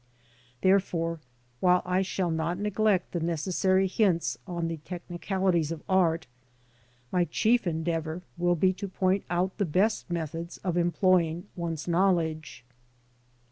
Therefore, while I shall not n^lect the necessary hints on the technicalities of art, my chief endeavour will be to point out the best method of employing one's knowledge.